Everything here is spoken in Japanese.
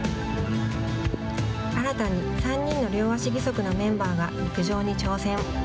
新たに３人の両足義足のメンバーが陸上に挑戦。